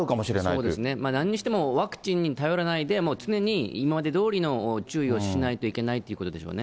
そうですね、なんにしてもワクチンに頼らないで常に今までどおりの注意をしないといけないということでしょうね。